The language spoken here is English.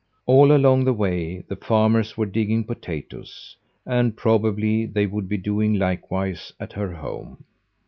All along the way the farmers were digging potatoes, and probably they would be doing likewise at her home.